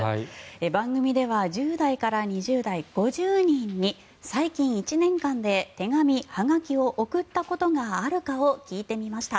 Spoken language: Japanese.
番組では１０代から２０代５０人に最近１年間で手紙・はがきを送ったことがあるかを聞いてみました。